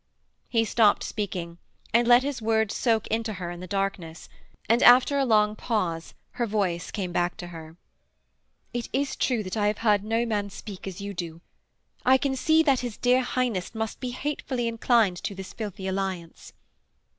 He stopped speaking and let his words soak into her in the darkness, and after a long pause her voice came back to her. 'It is true that I have heard no man speak as you do.... I can see that his dear Highness must be hatefully inclined to this filthy alliance.'